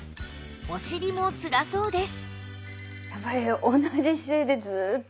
お尻もつらそうです